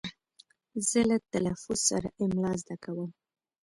زه له تلفظ سره املا زده کوم.